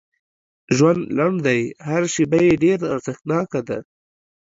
ژوند لنډ دی هر شیبه یې ډېره ارزښتناکه ده